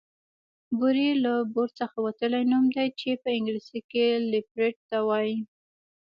بوری له بور څخه وتلی نوم دی چې په انګليسي کې ليپرډ ته وايي